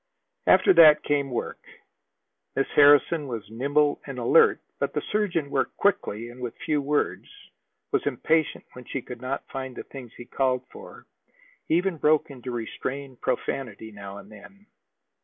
After that came work. Miss Harrison was nimble and alert, but the surgeon worked quickly and with few words, was impatient when she could not find the things he called for, even broke into restrained profanity now and then.